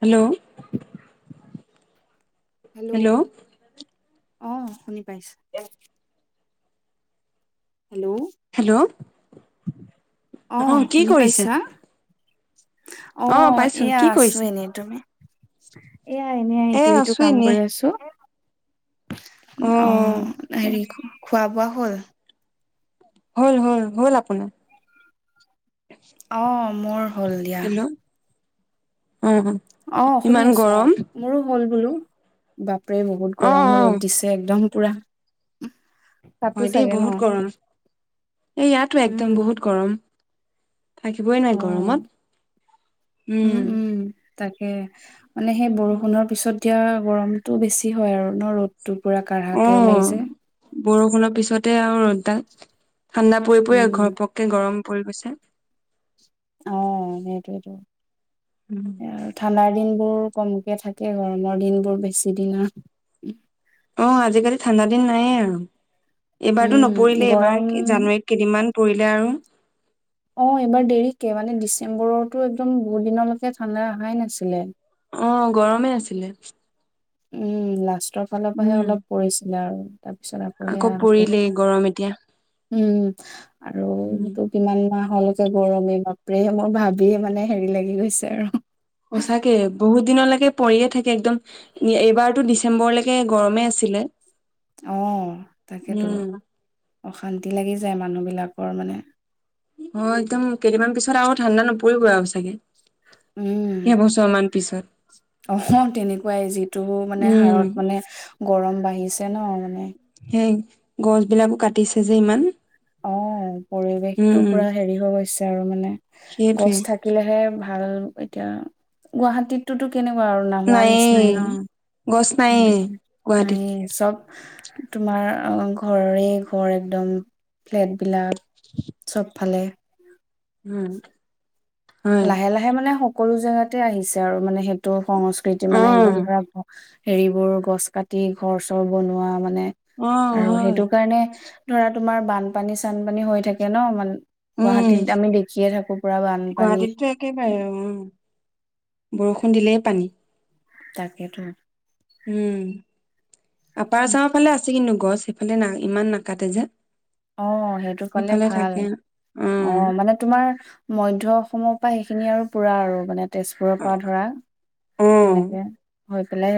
Hello. Hello. অ, শুনিছো। পাইছোঁ। হেল্ল' অ', কি শুনি কৰিছে পাইছা? অ', পাইছো এয়া কি আছোঁ কৰিছে এনেই, তুমি? এয়া এনে এ ইটো সিটো আছো কাম এনে কৰি আছো। অ অ', হেৰি খোৱা বোৱা হ'ল। হ'ল, হ'ল, হ'ল আপোনাৰ? অহ', মোৰ হ'ল দিয়া। হেল্ল' অ অ অ', শুনি ইমান আছো গৰম অ', মোৰো হ'ল বোলো। বাপ সেই বহুত অ গৰম অ ৰ'দ দিছে একদম। পুৰা। তাতো হয় দেই চাগে ন বহুত গৰম এই ইয়াতো উম একদম বহুত গৰম। থাকিবই নোৱাৰি গৰমত অ', উম, উম, তাকে। মানে সেই বৰষুণৰ পিছত দিয়া গৰমতটো বেছি হয় আৰু ন' ৰ'দ। তোৰ পুৰা অ কাঢ়াকে ওলাই যায়। বৰষুণৰ পিছতে আৰু ৰ'দডাল ঠাণ্ডা পৰি পৰি উম ঘপককে গৰম পৰি গৈছে। অ', সেইটোয়ে তো। এ, আৰু ঠাণ্ডাৰ দিন। বোৰ কমকে থাকে গৰমৰ দিন বোৰ বেছি দিনৰ উম। অ', আজিকালি ঠাণ্ডা দিন নাইয়ে আৰু। এইবাৰতো উম নপৰিলে এবাৰ গৰম কি জানুৱাৰীত কেইদিনমান। পৰিলে আৰু অ', এইবাৰ দেৰিকে মানে ডিচেম্বৰতো একদম বহুত দিনলৈকে ঠাণ্ডা আহাই নাছিলে। অ', গৰমে আছিলে। উম, লাষ্ট। তলফালৰ পৰাহে উম, অলপ পৰিছিল। দ আকৌ পৰিলেই গৰম এতিয়া। উম। আৰু উম। দুদিমান মাহলে যে গৰমে বাপৰে মোৰ ভাবিয়ে মানে হেৰি লাগি গৈছে আৰু। সচাকে বহু দিনলৈকে পৰিয়ে থাকে একদম এইবাৰতো দিছ অ', তাকেতো উম, অশান্তি লাগি যায় মানুহ বি বিলাকৰ মানে অ', একদম কেইদিনমান পিছত আৰু ঠাণ্ডা নপৰিব আৰু চাগে। উম। কেইবছৰমান পিছত অহ, তেনেকুৱাই যিটো মানে উম, হাৰত মানে গৰম বাঢ়ি ছে ন মানে সেই গছ বিলাকো কাটিছে যে, ইমান পৰিৱেশটোৰ উম। পৰা হেৰি হৈ গৈছ তাৰো মানে সেইটোৱে, গছ থাকিলেহে ভাল এতিয়া গুৱাহাটীতটোত কেনেকুৱা আৰু নহোৱা নিচিনাই নায়েই। গছ নায়েই ন? গুৱাহাটীত, নাইয়ে চব তোমাৰ অ', ঘৰে ঘৰ একদম ফ্লেট বিলাক চ'ব ফালে হ'ম লাহে, লাহে মানে‌ সক সকলো জেগাতে আহিছে আৰু মানে সেই তোৰ সংস্কৃতি মানে একদম অ'। ধৰা হেৰিবোৰ গছ কাটি ঘৰ চৰ বনোৱা মানে অ', আৰু হয়, সেইটো কাৰণে ধৰা তোমাৰ বানপানী চানপানী হৈ থাকে ন? মান উম, গুৱাহাটীত আমি দেখিয়ে থাকোঁ পুৰা বানপানী। [unintelligible] উম। বৰষুণ দিলেই পানী তাকেটো উম। আপাৰ আচামৰ ফালে আছে কিনো গছ সিফালে না ইমান নাকাটে যে অ', সেইটোফালে সেইফালে ভাল থাকে অ', মানে তোমাৰ মধ্য অসমৰ পৰা সেইখিনি আৰু পুৰা আৰু মানে তেজপুৰৰ পৰা ধৰা অ এনেকে হৈ পেলাই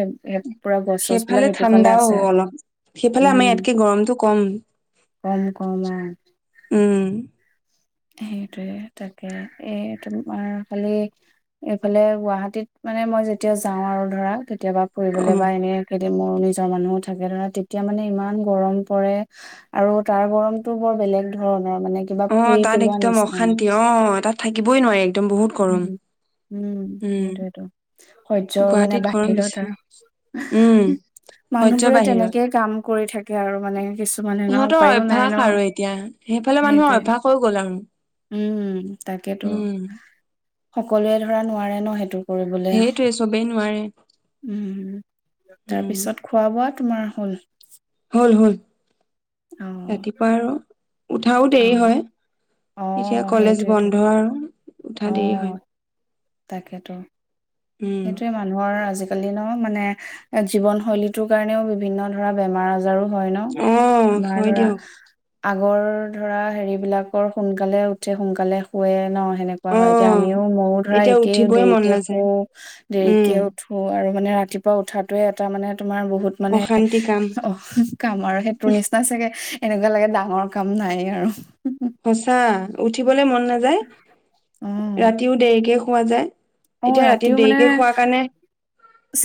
পুৰা গছ চছবিলাক সেইফালে সেইটোফালে ঠাণ্ডাও আছে, অলপ সেইফালে আমাৰ উম। ইয়াতকে গৰমটো কম কম কম অ'। উম সেইটোৱে তাকে এই তোমাৰ খালি এইফালে গুৱাহাটীত মানে মই যেতিয়া যাওঁ আৰু ধৰা কেতিয়াবা অ ফুৰিবলৈ বা এনে মোৰ নিজৰ মানুহো থাকে ধৰা তেতিয়া মানে ইমান গৰম পৰে আৰু তাৰ গৰমটো বৰ বেলেগ ধৰণৰ মানে। কিবা অ', পুৰি তাত পেলোৱা একদম নিচিনা অশান্তি অ', তাত থাকিবই নোৱাৰি। একদম বহুত উম, গৰম উম, সেইটোৱেটো মানে গুৱাহাটীত গৰম বাহিৰত বেছি আৰু উম সহ্য মানুহবোৰে বাহিৰত তেনেকে কাম কৰি থাকে আৰু মানে কিছুমানে ন' সিহঁতৰ উপায়ো নাই ন' সেইটোৱে। আকৌ গল [inaudible] উম তাকেতো উম সকলোৱে ধৰা নোৱাৰে ন' সেইটো। কৰিবলে সেইটোৱে চবেই নোৱাৰে উম উম তাৰপিছত খোৱা বোৱাত তোমাৰ হ'ল। হ'ল হ'ল অ ৰাতিপুৱা আৰু উঠাও অ দেৰি হয়। অ এতিয়া কলেজ সেইটোৱেতো বন্ধ আৰু। অ উঠা দেৰি হয় তাকেতো। উম সেইটোৱে মানুহৰ আজি দিনৰ মানে এ জীৱনশৈলীটোৰ কাৰণেও বিভিন্ন ধৰা বেমাৰ আজাৰ বজাৰো হয় অ ন' আমাৰ হয় ধৰা দিয়ক আগৰ ধৰা হেৰি বিলাকৰ সোনকালে উঠে সোনকালে শুৱে ন'। সেনেকুৱা অ হয় যে আমিও ময়ো ধৰা এতিয়া একেই উঠিবই মন দেৰিকে শু। নাযায় উম দেৰিকে উঠো আৰু মানে ৰাতিপুৱা উঠাটোৱে এটা মানে তোমাৰ বহুত মানে অশান্তি কাম অ', কাম আৰু সেইটোৰ নিচিনা চাগে এনেকুৱা লাগে ডাঙৰ কাম নাই আৰু সচা উঠিবলৈ মন নাযায়, অ ৰাতিও দেৰিকে পোৱা যায়। অ', এতিয়া ৰাতি ৰাতিও মানে দেৰিকে খোৱাৰ কাৰণে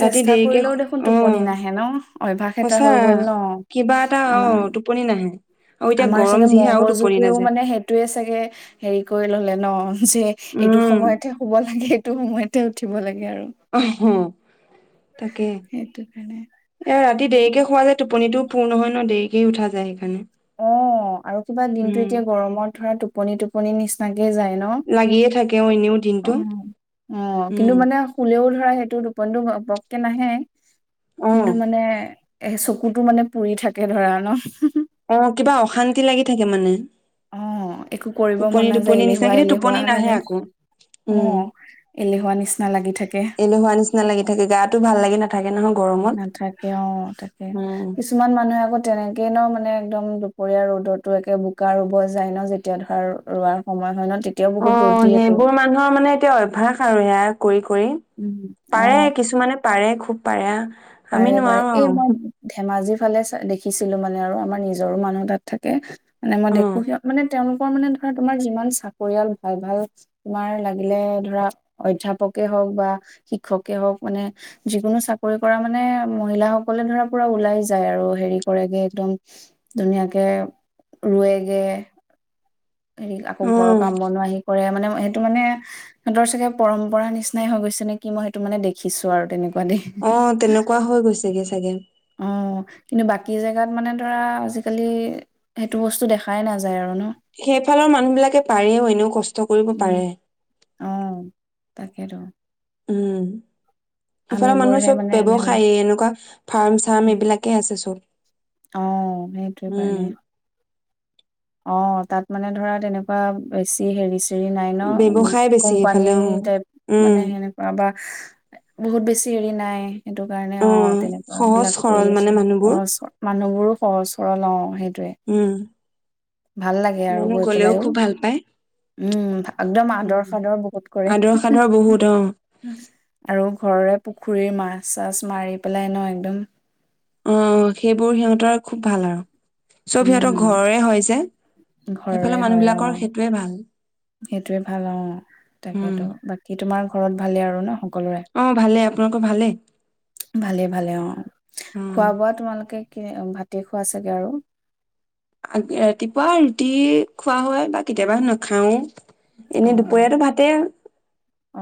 ৰাতি দেৰিকে কৰিলেও দেখোন অ টোপনি নাহে ন অভ্যাস এটা সঁচা হৈ গল ন' কিবা এটা অ আমাৰ। টোপনি নাহে আৰু এতিয়া আমাৰ চাগে গৰম যিহে আৰু টোপনি মগজুটোৱেও নাযায়। মানে সেইটোয়ে চাগে হেৰি কৰি ললে ন যে এইটো উম সময়তহে শুব ল সেইটো সময়তে উঠিব লাগে আৰু অহ, তাকে সেইটো কাৰণে। এ ৰাতি দেৰিকে শুৱা যে টোপনিটো পূৰ্ণ হয় ন', দেৰিকে উঠা যায় সেইকাৰণে। অ আৰু কিবা দিনতটো উম। এতিয়া গৰমত ধৰা টো পনি টোপনি নিচিনাক যায় ন'? লাগিয়ে থাকে অ এনেও দিনটো। অ', কিন্তু উম। মানে শুলেও তাৰ সেইটো টোপনিটো মপককে নাহে। কিন্তু অ', মানে এ, চকুতো মানে পুৰি থাকে ধৰা ন'। অ', কিবা অশান্তি লাগি থাকে মানে। অ একো কৰিব মন টোপনি, নাযায় টোপনি নিচিনা এলেহুৱা কিন্ত এলেহুৱা টোপনি নাহে লাগে আকৌ, অ উম, এলেহুৱা নিচিনা লাগি থাকে এলেহুৱা নিচিনা লাগি থাকে গাতো ভাল লাগি নাথাকে। [unintelligible] নাথাকে অ', তাকে, উম। কিছুমান মানুহে আকৌ তেনেকে ন' মানে একদম দুপৰীয়া ৰ'দতো একে বোকা ৰুব যায় ন', যেতিয়া ধৰা ৰোৱাৰ সময় হয় ন' তেতিয়াও বহুত ৰ'দ অ', দিয়েতো। সেইবোৰ মানুহৰ মানে এতিয়া অভ্যাস আৰু সেয়া কৰি, কৰি। উম। পাৰে কিছুমানে পাৰে খু খুব পাৰে আমি পাৰে-পাৰে নোৱাৰো এই আৰু মই ধেমাজিৰ সেফালে দেখিছিলোঁ মানে আৰু আমাৰ নিজৰো মানুহ তাত থাকে মানে দেখোঁ অ', সিহঁত মানে তেওঁলোকৰ মানে ধৰা তোমাৰ যিমান চাকৰিয়াল ভাল-ভাল তোমাৰ লাগিলে ধৰা অধ্যাপকে হওক বা শিক্ষকে হওক মানে যিকোনো চাকৰি পৰা মানে মহিলাাসকলে ধৰা পুৰা ওলাই যায় আৰু হেৰি কৰেগে একদম ধুনীয়াকে ৰুৱেগে। হেৰি, আকৌ ঘৰৰ অ', কাম বনোৱা আহি কৰে মানে সেইটো মানে সিহঁতৰ চাগে পৰম্পৰা নিচিনাই হৈ গৈছে নেকি, মই সেইটো মানে দেখিছোঁ আৰু তেনেকুৱা দেই অ', তেনেকুৱা হৈ গৈছেগে চাগে। অ', কিন্তু বাকী জেগাত মানে ধৰা আজিকালি সেইটো বস্তু দেখাই নাযায় আৰু ন? সেইফালৰ মানুহবিলাকে পাৰেও এনেও কষ্ট কৰিব পাৰে। তাকেটোন। উম। সেইফালে মানুহ আমিবোৰহে চব মানে এলেহুৱা। ব্যৱসায়ে এনেকুৱা ফাৰ্ম চাৰ্ম এইবিলাকে আছে চব। অ সেইটো উম কাৰণে অ, তাত মানে ধৰা তেনেকুৱা বেছি হেৰি [unintelligible] মাইনাও ব্যৱসায় বেছি কোম্পানী সেইফালে অ তাত মানে উম সেনেকোৱা এটা বহুত বেছি হেৰি নাই সেইটো কাৰণে অ তেনেকুৱা সহজ বিলাক কৰি সৰল আছো মানে মানুহবোৰ [inaudible] মানুহবোৰো সহজ সৰল অ সেইটোৱে উম ভাল লাগে আৰু মানুহ গৈ গলেও পেলাইও খুব ভাল পায় উম একদম উম আদৰ সাদৰ বহুত কৰে আদৰ সাদৰ বহুত অ আৰু ঘৰৰে, পুখুৰীৰ মাছ চাছ মাৰি পেলাই ন একদম অ' সেইবোৰ সিহঁতৰ খুব ভাল আৰু চব সিহঁতৰ উম ঘৰৰে [unintelligible] সেইফালে ঘৰৰে হয় অ মানুহবিলাকৰ সেইটোৱে ভাল সেইটোৱে ভাল অ উম তাকেতো বাকী, তোমাৰ ঘৰত ভালে আৰু ন, সকলৰে অ ভালে আপোনালোকৰ ভালেই ভালে ভালে অ উম খোৱা বোৱা তোমালোকে, ভাতে খোৱা চাগে আৰু ৰাতিপুৱা ৰুটি খোৱা হয় বা কেতিয়াবা নাখাও! এনে অ দুপৰীয়াতো ভাতে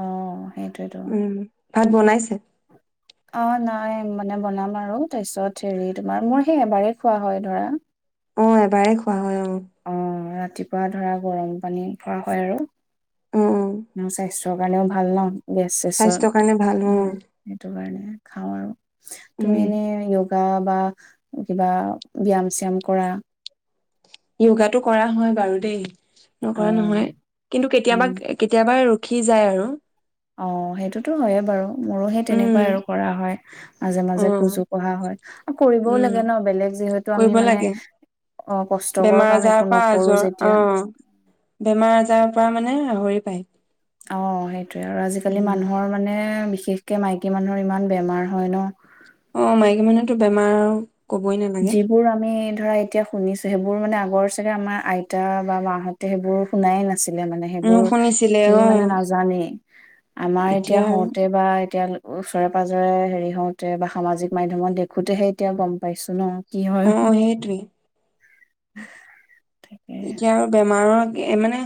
অ সেইটোয়েতো ভাত বনাইছে, অ নাই মানে বনাম আৰু তাৰপিছত হেৰি তোমাৰ মোৰ সেই এবাৰেই খোৱা হয় ধৰা, অ এবাৰে খোৱা হয় অ' অ ৰাতিপুৱা ধৰা গৰম পানী ভৰা হয় আৰু অ' স্বাস্থ্যৰ কাৰণেও ভাল ন, গেছ স্বাস্থ্যৰ কাৰণে ভাল অ [unintelligible] সেইটো কাৰণে খাওঁ আৰু উম তুমি এনে, বা বা কিবা ব্যয়াম শ্যাম কৰা য়োগাটো কৰা হয় বাৰু দেই, অ নকৰা নহয় কিন্তু কেতিয়াবা উম কেতিয়াবা, [unintelligible] যায় আৰু অ' সেইটোতো হয়ে বাৰু মোৰো সেই উম তেনেকুৱাই আৰু কৰা হয় মাজে অ মাজে খোজো কঢ়া হয় আৰু কৰিবও উম লাগে ন বেলেগ যিহেতু কৰিব আমি মানে লাগে অ কষ্টকৰ বেমাৰ কাম আজাৰৰ একো পৰা নকৰো আজৰ অ যেতিয়া, বেমাৰ আজাৰৰ পৰা মানে আহৰি পায়। অ' সেই আৰু আজিকালি উম মানুহৰ মানে, বিশেষকে মাইকী মানুহৰ ইমান বেমাৰ হয় ন! অ' মাইকী মানুহৰতো বেমাৰ, কবই নালাগে যিবোৰ আমি, ধৰা এতিয়া শুনিছো সেইবোৰ মানে আগৰ চাগে আমাৰ আইতা বা মাহঁতে সেইবোৰ শুনাই না, আছিলে মানে উম হেইবোৰ শুনিছিলে কি মানে অ নাজানেই আমাৰ এতিয়া হওঁতে বা এতিয়া, ওচৰে পাজৰে হেৰি হওতে বা সামাজিক মাধ্যমত দেখোতেহে এতিয়া গম পাইছো। [unintelligible] কি হয়? অ সেইটোৱে [unintelligible] এতিয়া আৰু বেমাৰত এ মানে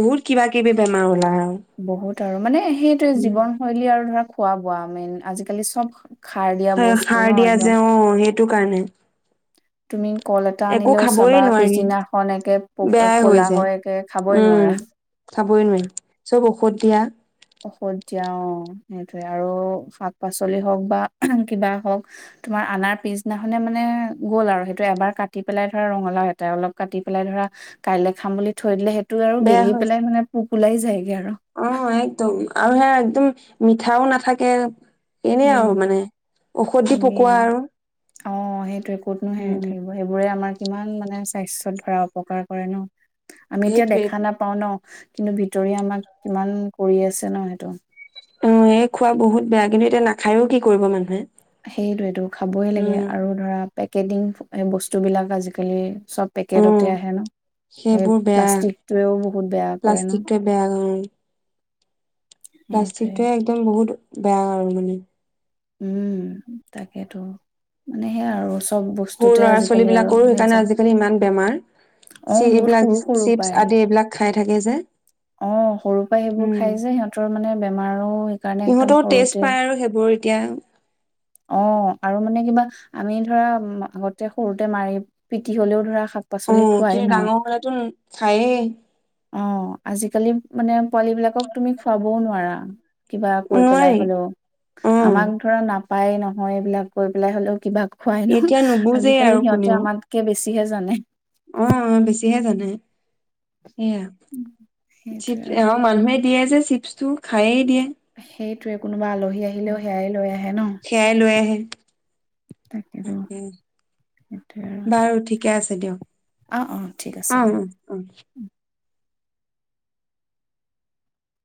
বহুত কিবা-কিবি বেমাৰ ওলাই আৰু বহুত, তাৰ মানে, সেইটোৱে উম জীৱনশৈলী আৰু ধৰা। খোৱা-বোৱা মেইন, আজিকালি চব খাৰ দিয়া সাৰ বস্তু ন দিয়া একদম যে অ [unintelligible] [unintelligible] কাৰণে তুমি কল এটা একো আনিলেও চাবা খাবই নোৱাৰি পিছদিনাখন একে বেয়াই হৈ কলা যায় হয় একে খাবই উম নোৱাৰা, ঔষদ দিয়া ঔষধ দিয়া অ, সেইটয়ে আৰু শাক, পাচলিয়ে হওক বা কিবা হওক তোমাৰ আনাৰ পিছদিনাখনে মানে গ'ল আৰু সেইটো এবাৰ কাটি পেলাই ধৰা ৰঙালাও এটা অলপ কাটি পেলাই ধৰা কাইলৈ খাম বুলি থৈ দিলে সেই সেইটো আৰু বেয়া গেলি হৈ পেলাই যায় মানে পোক ওলাই [unintelligible] আৰু অ [unintelligible] একদম আৰু [inaudible] একদম মিঠাও নাথাকে এনেই উম, আৰু মানে ঔষধ দি এনে, পকোৱা এনে আৰু অ', সেইটোৱে ক'তনো হেৰি উম থাকিব সেইবোৰে আমাৰ কিমান মানে স্বাস্থ্যত ধৰা অপকাৰ কৰে ন? আমি এতিয়া সেইটোৱে দেখা নাপাওঁ ন? কিন্তু ভিতৰি আমাক কিমান কৰি আছে ন সেইটো? অ', এই খোৱা বহুত বেয়া, কিন্তু এতিয়া নাখায়ও কি কৰিব মানুহে। সেইটোৱেটো খাবই লাগে উম আৰু ধৰা পেকেটিং বস্তুবিলাক আজিকালি চব উম পেকেটতে আহে ন? সেই সেইবোৰ বেয়া প্লাষ্টিকটোৱেও বহুত বেয়া কৰে ন? প্লাষ্টিকটোৱে বেয়া কাৰণ সেইটোৱে প্লাষ্টিকটোৱে একদম বহুত বেয়া আৰু মানে উম, তাকেতো মানে সেয়া আৰু চব সৰু বস্তুতে ল'ৰা ছোৱালী আজিকালি আৰু বিলাকৰো সেইকাৰণে ভেজাল, আজিকালি ইমান বেমাৰ চি অ', বহুত এইবিলাক সৰু, সৰু চিপছ পাই। আদি এইবিলাক খাই থাকে যে অ', সৰু পাই সেইবোৰ উম খাই যে, সিহঁতৰ মানে বেমাৰো সেইকাৰণে একদম সিহঁতেও টেষ্ট সৰুতেই পায় আৰু সেইবোৰ এতিয়া অ', আৰু মানে কিবা আমি ধৰা আগতে সৰুতে মাৰি পিটি হ'লেও ধৰা শাক পাচলি অহ' খোৱাই কিন্তু ন ডাঙৰ হলেতো খায়েই। অ', আজিকালি মানে পোৱালী বিলাকক তুমি খোৱাবোও নোৱাৰা। কিবা কৈ পেলাই নোৱাৰি হ'লেও, অ আমাক ধৰা না পাই নহয়, এইবিলাক কৰি পেলাই হ'লেও কিবা খুৱাই নো এতিয়া নুবুজেই আজিকালি সিহঁতে আমাতকে বেছি হি জানে। অহ, অহ বেছিহে জানে। এইয়া সেইটোৱে আৰু [unintelligible] মানুহেই দিয়ে যে চিপছটো খায়েই দিয়ে। সেইটোৱে কোনো উবা আলহী আহিলেও সেয়াই লৈ আহে ন। [unintelligible] তাকেতো তাকে, সেইটোৱে আৰু বাৰু ঠিকে আছে দিয়ক। অ', অ', ঠিক আছে অ', দিয়া। অ', অ'।